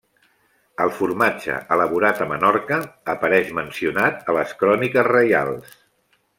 El formatge elaborat a Menorca apareix mencionat a les Cròniques reials.